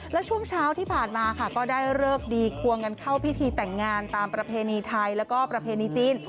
แล้วช่วงเช้าที่ผ่านมาค่ะก็ได้เลิกดีควงกันเข้าพิธีแต่งงานตามประเพณีไทยแล้วก็ประเพณีจีน